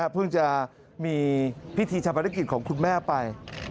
เพิ่งจะมีพิธีชะพนักกิจของคุณแม่ไป